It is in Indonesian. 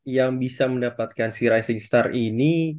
yang bisa mendapatkan sea rising star ini